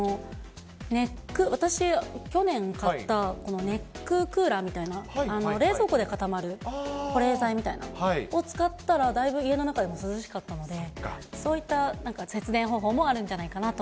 ネック、私、去年買ったネッククーラーみたいな、冷蔵庫で固まる保冷剤みたいなのを使ったら、だいぶ家の中でも涼しかったので、そういったなんか節電方法もあるんじゃないかなと。